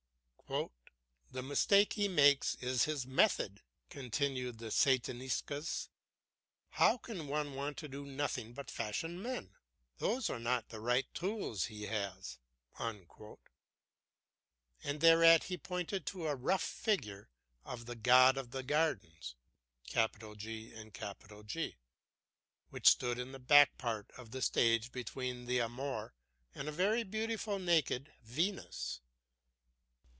"The mistake he makes is in his method," continued the Sataniscus. "How can one want to do nothing but fashion men? Those are not the right tools he has." And thereat he pointed to a rough figure of the God of the Gardens, which stood in the back part of the stage between an Amor and a very beautiful naked Venus.